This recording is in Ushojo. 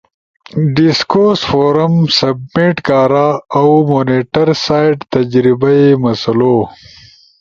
ڈیسکورس فورم سبمیٹ کارا اؤ مونیٹر سئیڈ تجربئی مسلو۔